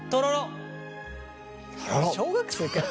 小学生かよ。